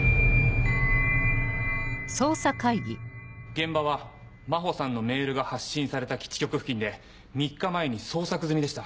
現場は真帆さんのメールが発信された基地局付近で３日前に捜索済みでした。